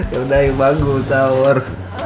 yaudah yuk bangun saur